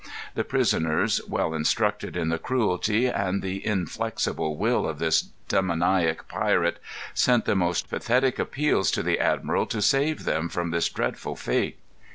The prisoners, well instructed in the cruelty and the inflexible will of this demoniac pirate, sent the most pathetic appeals to the admiral to save them from this dreadful fate.